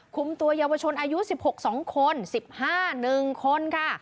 คุมตัวเยาวชนอายุ๑๖๒คน๑๕๑คนค่ะ